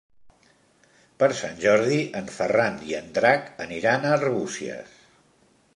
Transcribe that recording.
Per Sant Jordi en Ferran i en Drac aniran a Arbúcies.